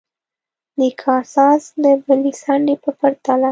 د کاساس د بلې څنډې په پرتله.